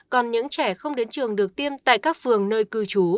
còn những trẻ không đến trường được tiêm tại các phường nơi cư trú